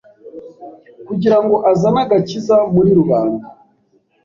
kugirango azane agakiza muri rubanda